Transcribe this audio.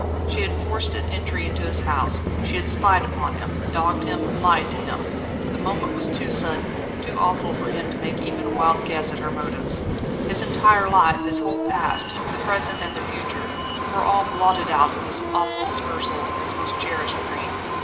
She had forced an entry into his house; she had spied upon him, dogged him, lied to him. The moment was too sudden, too awful for him to make even a wild guess at her motives. His entire life, his whole past, the present, and the future, were all blotted out in this awful dispersal of his most cherished dream.